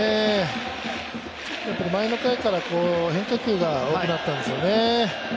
ちょっと前の回から変化球が多くなったんですよね。